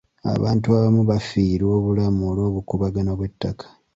Abantu abamu bafiirwa obulamu olw'obukuubagano bw'ettaka.